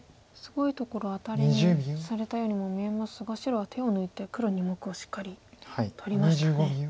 すごいところアタリにされたようにも見えますが白は手を抜いて黒２目をしっかり取りましたね。